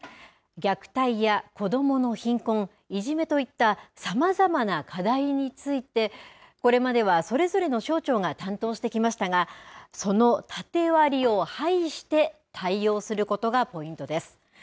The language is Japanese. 虐待や子どもの貧困、いじめといったさまざまな課題について、これまではそれぞれの省庁が担当してきましたが、その縦割りを排して対応することがポイントです。